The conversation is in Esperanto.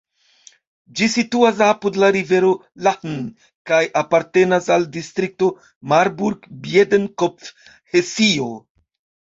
Ĝi situas apud la rivero Lahn kaj apartenas al distrikto Marburg-Biedenkopf, Hesio.